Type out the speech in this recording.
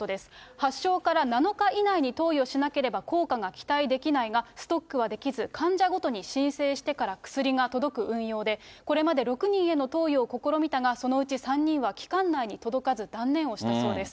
発症から７日以内に投与しなければ効果が期待できないが、ストックはできず、患者ごとに申請してから薬が届く運用で、これまで６人への投与を試みたが、そのうち３人は期間内に届かず、断念をしたそうです。